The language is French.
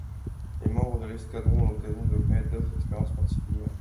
Les membres de l’Escadron ont l’occasion de connaître d’autres expériences particulières.